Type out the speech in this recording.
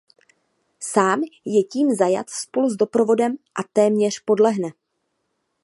Sám je jím zajat spolu s doprovodem a téměř podlehne.